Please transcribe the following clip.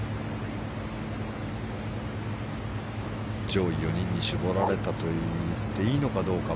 上位４人に絞られたと言っていいのかどうか。